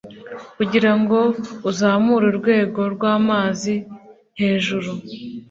kugira ngo uzamure urwego rw'amazi hejuru